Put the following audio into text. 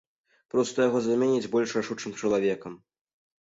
Проста яго заменяць больш рашучым чалавекам.